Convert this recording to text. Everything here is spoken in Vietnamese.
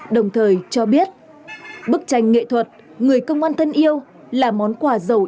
đồng thời cho biết bức tranh nghệ thuật người công an thân yêu là món quà giàu ý nghĩa tinh thần